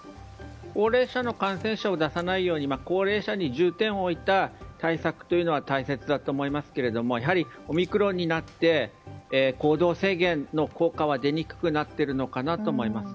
高齢者の感染者を出さないように高齢者に重点を置いた対策というのは大切だと思いますがオミクロンになって行動制限の効果は出にくくなっているのかなと思います。